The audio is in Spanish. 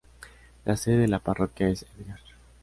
La sede de la parroquia es Edgard.